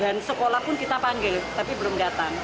dan sekolah pun kita panggil tapi belum datang